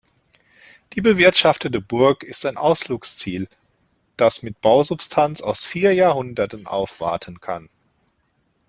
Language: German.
Die bewirtschaftete Burg ist ein Ausflugsziel, das mit Bausubstanz aus vier Jahrhunderten aufwarten kann.